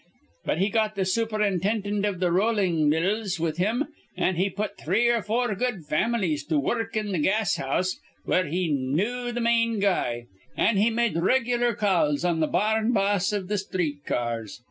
But he got th' superintindint iv th' rollin' mills with him; an' he put three or four good faml'ies to wurruk in th' gas house, where he knew th' main guy, an' he made reg'lar calls on th' bar rn boss iv th' sthreet ca ars.